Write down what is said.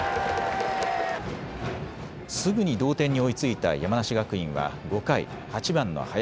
すぐに同点に追いついた山梨学院は５回、８番の林。